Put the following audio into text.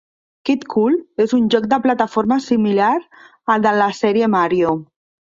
"Kid Kool" és un joc de plataforma similar al de la sèrie Mario.